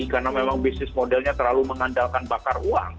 karena memang bisnis modelnya terlalu mengandalkan bakar uang